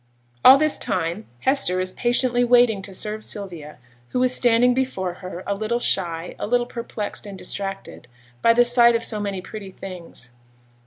All this time Hester is patiently waiting to serve Sylvia, who is standing before her a little shy, a little perplexed and distracted, by the sight of so many pretty things.